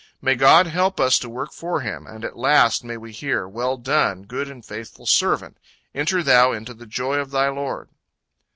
"May God help us to work for Him, and at last may we hear, 'Well done, good and faithful servant; enter thou into the joy of thy Lord.'"